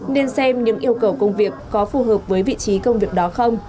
nên xem những yêu cầu công việc có phù hợp với vị trí công việc đó không